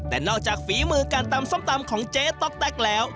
แต่นอกจากฝีมือการตำส้มตำของเจ๊ต๊อกแต๊กแล้ว